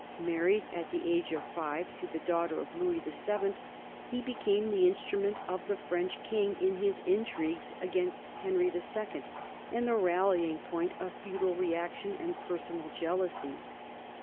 Married at the age of five to the daughter of Louis VII, he became the instrument of the French king in his intrigues against Henry II and the rallying point of feudal reaction and personal jealousy.